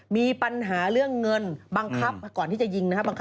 มีปัญหาเรื่อง